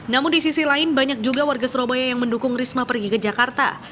namun di sisi lain banyak juga warga surabaya yang mendukung risma pergi ke jakarta